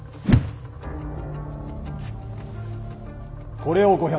これを５００。